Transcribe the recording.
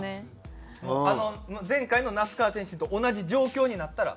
あの前回の那須川天心と同じ状況になったら。